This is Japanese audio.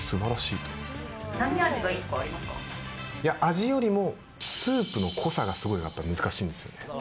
いや、味よりも、スープの濃さがすごいやっぱ難しいんですよね。